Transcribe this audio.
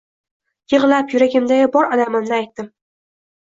Yig`lab, yuragimdagi bor alamlarimni aytdim